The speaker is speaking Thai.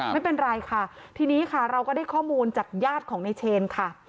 ไม่เป็นไรค่ะทีนี้ค่ะเราก็ได้ข้อมูลจากญาติของในเชนค่ะ